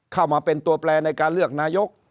เข้ามาเป็นตัวแปลในการเลือกนายก